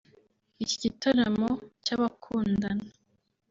Iki gitaramo cy’abakundana